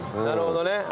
なるほどね。